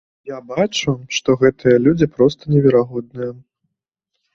Я бачу, што гэтыя людзі проста неверагодныя!